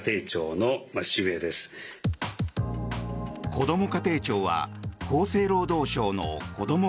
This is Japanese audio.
こども家庭庁は厚生労働省の子ども